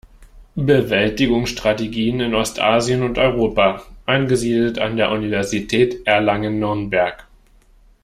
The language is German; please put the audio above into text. Bewältigungsstrategien in Ostasien und Europa“, angesiedelt an der Universität Erlangen-Nürnberg.